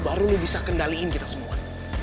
baru lo bisa kendaliin kita semua